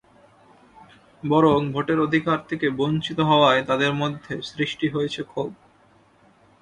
বরং ভোটের অধিকার থেকে বঞ্চিত হওয়ায় তাঁদের মধ্যে সৃষ্টি হয়েছে ক্ষোভ।